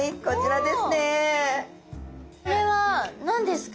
これは何ですか？